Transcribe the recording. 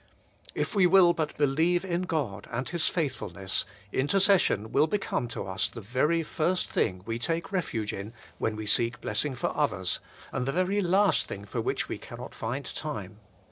If we will but believe in God and His faithfulness, intercession will become to us the very first thing we take refuge in when we seek blessing for others, and the very last thing for which we cannot find time.